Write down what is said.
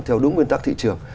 theo đúng nguyên tắc thị trường